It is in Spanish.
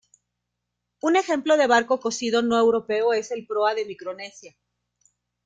Un ejemplo de barco cosido no europeo es el proa de Micronesia.